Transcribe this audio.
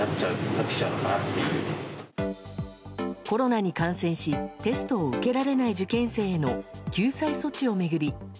コロナに感染しテストを受けられない受験生への救済措置を巡り